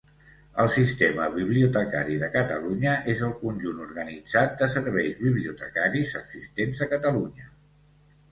El Sistema Bibliotecari de Catalunya és el conjunt organitzat de serveis bibliotecaris existents a Catalunya.